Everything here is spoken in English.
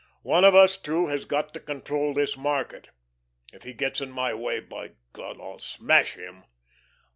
One of us two has got to control this market. If he gets in my way, by God, I'll smash him!"